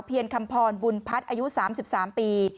รคำพรบุญพัฒน์อายุ๓๓ปี